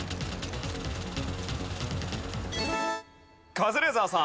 カズレーザーさん。